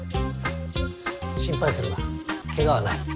心配するな怪我はない。